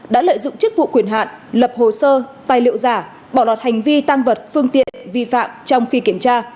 đã lợi dụng chức vụ quyền hạn lập hồ sơ tài liệu giả bỏ lọt hành vi tăng vật phương tiện vi phạm trong khi kiểm tra